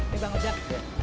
nih bang ojak